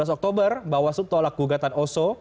sebelas oktober bawaslu tolak gugatan oso